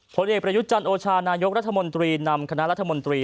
ผลเอกประยุทธ์จันทร์โอชานายกรัฐมนตรีนำคณะรัฐมนตรี